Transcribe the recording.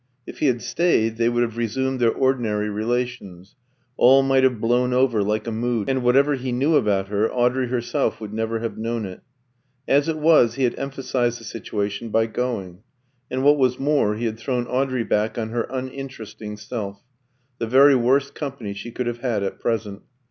If he had stayed, they would have resumed their ordinary relations; all might have blown over like a mood, and whatever he knew about her, Audrey herself would never have known it. As it was, he had emphasised the situation by going. And what was more, he had thrown Audrey back on her uninteresting self the very worst company she could have had at present.